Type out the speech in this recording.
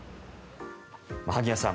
萩谷さん